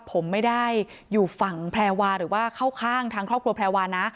ผมไม่ได้อยู่ฝั่งแพรวาหรือว่าเข้าข้างทางครอบครัวแพรวานะ